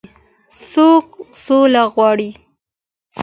څوک سوله غواړي.